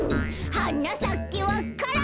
「はなさけわか蘭」